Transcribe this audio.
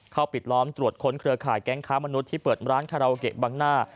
ปิดล้อมตรวจค้นเครือข่ายแก๊งค้ามนุษย์ที่เปิดร้านคาราโอเกะบังหน้า